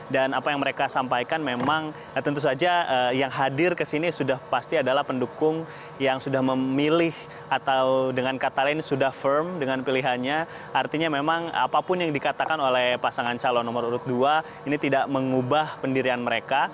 dan apa yang mereka sampaikan memang tentu saja yang hadir kesini sudah pasti adalah pendukung yang sudah memilih atau dengan kata lain sudah firm dengan pilihannya artinya memang apapun yang dikatakan oleh pasangan calon nomor urut dua ini tidak mengubah pendirian mereka